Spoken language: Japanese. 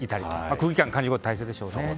空気感を感じることが大切ですね。